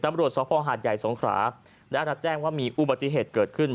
ตำรวจสภหาดใหญ่สงขราได้รับแจ้งว่ามีอุบัติเหตุเกิดขึ้น